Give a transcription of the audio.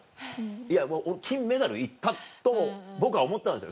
いやもう「金メダル行った」と僕は思ったんですよ。